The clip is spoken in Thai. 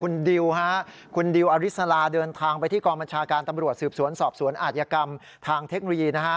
คุณดิวฮะคุณดิวอริสลาเดินทางไปที่กองบัญชาการตำรวจสืบสวนสอบสวนอาจยกรรมทางเทคโนโลยีนะฮะ